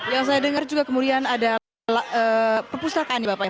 yang saya dengar juga kemudian ada perpustakaan ya bapak ya